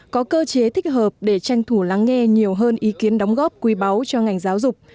có cơ chế thích hợp để tranh thủ lắng nghe nhiều hơn ý kiến đóng góp quý báu cho ngành giáo dục